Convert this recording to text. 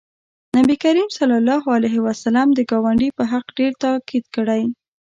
نبي کریم صلی الله علیه وسلم د ګاونډي په حق ډېر تاکید کړی